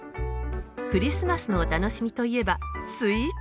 クリスマスのお楽しみといえばスイーツ！